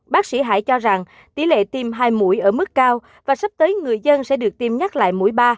bác sĩ hải cho rằng tỷ lệ tiêm hai mũi ở mức cao và sắp tới người dân sẽ được tiêm nhắc lại mũi ba